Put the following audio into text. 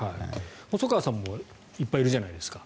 細川さんもいっぱいいるじゃないですか。